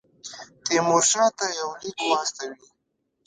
تیمورشاه ته یو لیک واستوي.